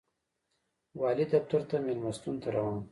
والي دفتر څخه مېلمستون ته روان و.